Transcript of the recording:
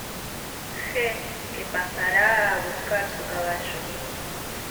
G. que pasará a buscar su caballo.